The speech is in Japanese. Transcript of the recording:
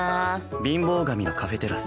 貧乏神のカフェテラス。